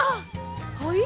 はい？